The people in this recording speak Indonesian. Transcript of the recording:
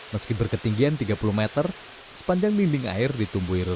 meski berketinggian tiga puluh meter sepanjang dinding air ditumbuhi rumput